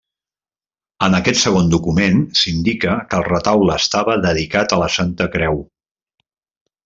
En aquest segon document s'indica que el retaule estava dedicat a la Santa Creu.